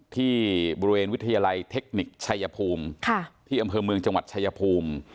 ที่บริเวณวิทยาลัยเทคนิคชัยภูมิที่อำเภอเมืองจังหวัดชายภูมิ